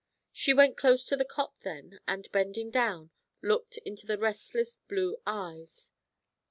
She went close to the cot then, and, bending down, looked into the restless blue eyes.